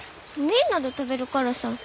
みんなで食べるからさ。